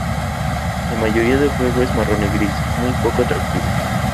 La mayoría del juego es marrón y gris, muy poco atractivo.